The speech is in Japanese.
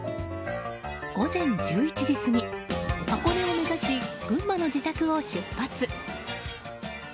午前１１時過ぎ、箱根を目指し群馬の自宅を出発。